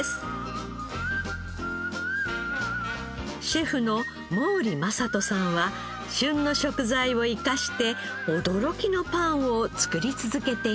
シェフの毛利将人さんは旬の食材を生かして驚きのパンを作り続けています。